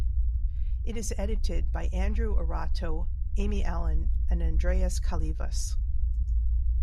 It is edited by Andrew Arato, Amy Allen, and Andreas Kalyvas.